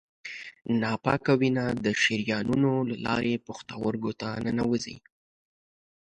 ناپاکه وینه د شریانونو له لارې پښتورګو ته ننوزي.